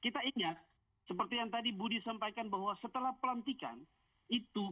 kita ingat seperti yang tadi budi sampaikan bahwa setelah pelantikan itu